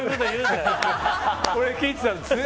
俺聞いてたのよ。